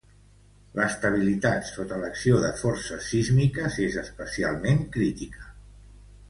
L'estabilitat sota l'acció de forces sísmiques és especialment crítica.